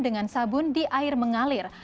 dengan sabun di air mengalir